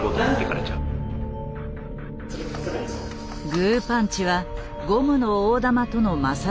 グーパンチはゴムの大玉との摩擦が大きい。